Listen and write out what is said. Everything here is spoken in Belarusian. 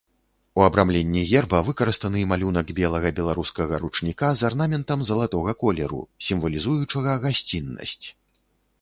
У абрамленні герба выкарыстаны малюнак белага беларускага ручніка з арнаментам залатога колеру, сімвалізуючага гасціннасць.